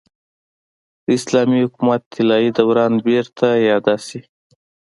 د اسلامي حکومت طلايي دوران بېرته اعاده شي.